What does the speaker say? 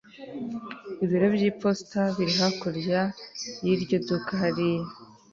ibiro by'iposita biri hakurya y'iryo duka hariya